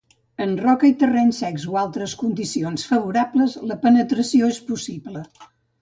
En roca i terrenys secs o altres condicions favorables, la penetració és possible.